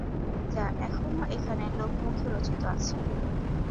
যা এখনো এখানের লোকমুখে রচিত আছে।